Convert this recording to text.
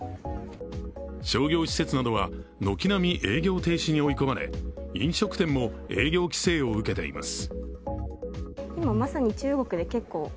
商業施設などは軒並み営業禁止に追い込まれ飲食店も営業規制を受けています。